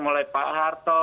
mulai pak harto